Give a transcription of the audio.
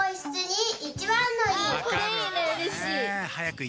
うれしい。